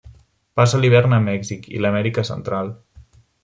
Passa l'hivern a Mèxic i l'Amèrica Central.